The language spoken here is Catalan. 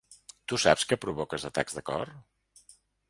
Tu saps que provoques atacs de cor?